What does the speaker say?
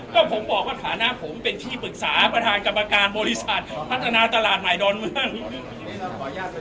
ก็ผมบอกว่าฐานะผมเป็นที่ปรึกษาประธานกรรมการบริษัทพัฒนาตลาดใหม่ดอนเมือง